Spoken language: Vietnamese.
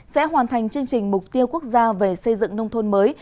sẽ hoàn thành chương trình mục tiêu quốc gia về xây dựng nông thôn mới